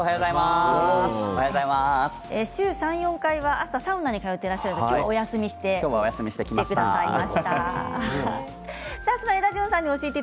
週３回４回はサウナに通っているそうで今日はお休みして来てくださいました。